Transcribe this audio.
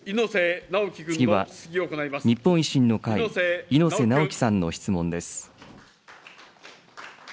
次は日本維新の会、猪瀬直樹さんの質問です。